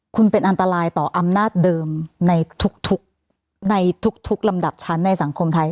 คุณเป็นอันตรายต่ออำนาจเดิมในทุกในทุกลำดับชั้นในสังคมไทย